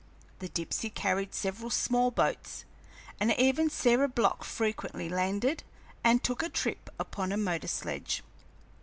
The Dipsey carried several small boats, and even Sarah Block frequently landed and took a trip upon a motor sledge.